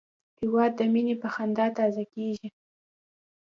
هېواد د مینې په خندا تازه کېږي.